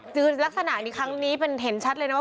คือลักษณะนี้ครั้งนี้เป็นเห็นชัดเลยนะว่า